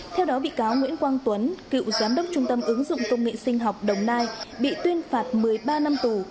theo đó bị cáo nguyễn quang tuấn cựu giám đốc trung tâm ứng dụng công nghệ sinh học đồng nai bị tuyên phạt một mươi ba năm tù